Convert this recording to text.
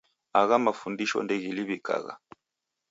Agha mafundisho ndeghiliw'ikagha